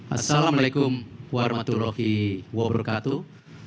assalamu'alaikum warahmatullahi wabarakatuh